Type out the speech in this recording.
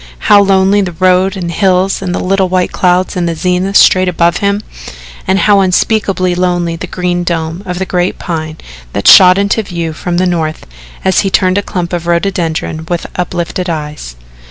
How lonely the road and hills and the little white clouds in the zenith straight above him and how unspeakably lonely the green dome of the great Pine that shot into view from the north as he turned a clump of rhododendron with uplifted eyes.